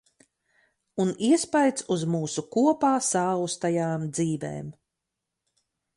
Un iespaids uz mūsu kopā saaustajām dzīvēm.